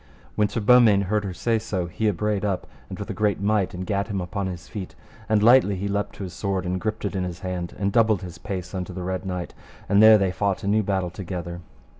When Sir Beaumains heard her say so, he abraid up with a great might and gat him upon his feet, and lightly he leapt to his sword and gripped it in his hand, and doubled his pace unto the Red Knight, and there they fought a new battle together.